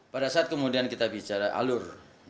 pada saat kemudian kita bicara alur